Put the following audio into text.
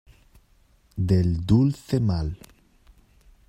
Del dulce mal.